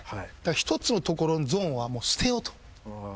１つの所のゾーンはもう捨てようと。